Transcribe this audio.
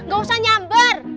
gak usah nyamber